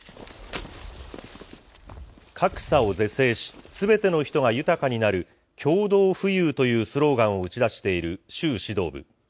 格差を是正し、すべての人が豊かになる共同富裕というスローガンを打ち出している習指導部。